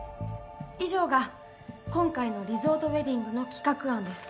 以上が今回のリゾートウェディングの企画案です。